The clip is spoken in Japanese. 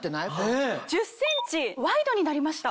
１０ｃｍワイドになりました。